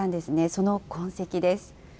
その痕跡です。